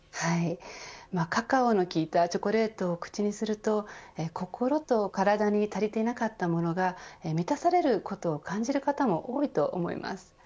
カカオの効いたチョコレートを口にすると心と体に足りていなかったものが満たされることを感じる方も多いと思います。